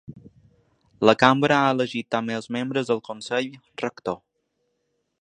La cambra ha elegit també els membres del consell rector.